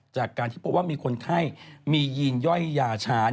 จากการที่พบว่ามีคนไข้มียีนย่อยยาช้า